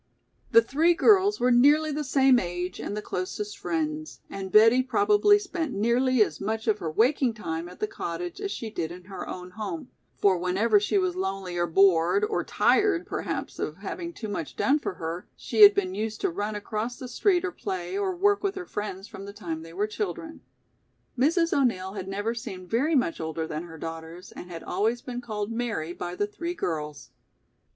The three girls were nearly the same age and the closest friends, and Betty probably spent nearly as much of her waking time, at the cottage as she did in her own home, for whenever she was lonely or bored, or, tired perhaps of having too much done for her, she had been used to run across the street to play or work with her friends from the time they were children. Mrs. O'Neill had never seemed very much older than her daughters and had always been called "Mary" by the three girls.